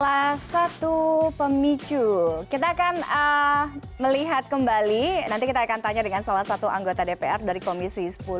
salah satu pemicu kita akan melihat kembali nanti kita akan tanya dengan salah satu anggota dpr dari komisi sepuluh